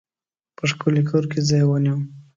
په ښکلي کور کې ځای ونیوی.